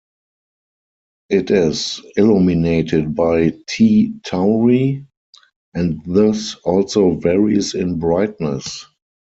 It is illuminated by T Tauri, and thus also varies in brightness.